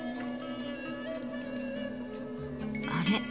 あれ？